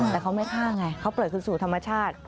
แต่เขาไม่ฆ่าไงเขาปล่อยคืนสู่ธรรมชาติ